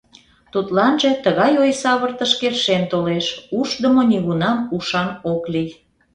Тудланже тыгай ойсавыртыш келшен толеш: «Ушдымо нигунам ушан ок лий».